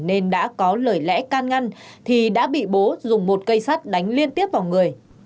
nên đã có lời lẽ can ngăn thì đã bị bố dùng một cây sắt đánh liên tiếp vào người